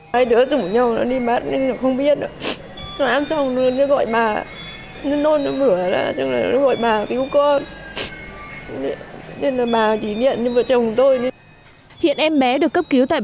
hiện em bé được cấp cứu tại bệnh viện nhi trung ương